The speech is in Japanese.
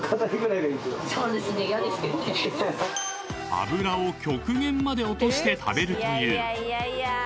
［脂を極限まで落として食べるという］